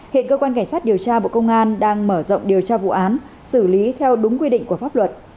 hiện cơ quan cảnh sát điều tra bộ công an đang mở rộng điều tra vụ án xử lý theo đúng quy định của pháp luật